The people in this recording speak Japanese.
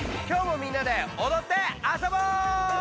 今日もみんなでおどってあそぼう！